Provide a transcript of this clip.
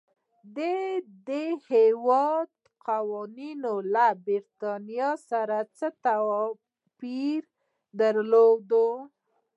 د دې هېواد قوانینو له برېټانیا سره توپیر درلود.